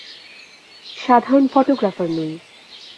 সাধারণ ফটোগ্রাফার নই।